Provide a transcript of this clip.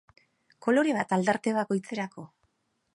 Kolore bat aldarte bakoitzerako.